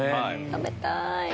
食べたい。